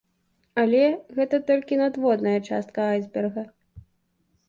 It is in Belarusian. Але, гэта толькі надводная частка айсберга.